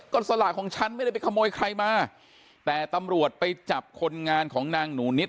ก็สลากของฉันไม่ได้ไปขโมยใครมาแต่ตำรวจไปจับคนงานของนางหนูนิด